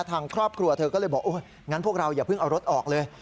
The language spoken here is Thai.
ทางครอบครัวเธอก็เลยบอกโอ๊ยงั้นพวกเราอย่าเพิ่งเอารถออกเลย